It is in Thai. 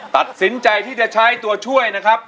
ตัดสินใจที่จะใช้ตัวช่วยนะครับ